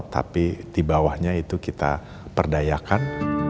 tapi di bawahnya itu kita perdayakan